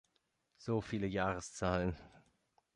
So viele Jahreszahlen.